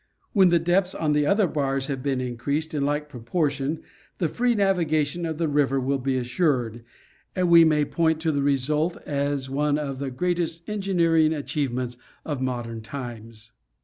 When the depths on the other bars have been increased in like proportion the free nav igation of the river will be assured, and we may point to the re sult as one of the greatest engineering achievements of modern times.